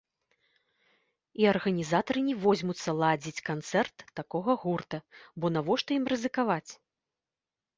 І арганізатары не возьмуцца ладзіць канцэрт такога гурта, бо навошта ім рызыкаваць.